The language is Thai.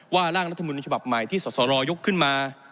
ร่างรัฐมนุนฉบับใหม่ที่สสรยกขึ้นมา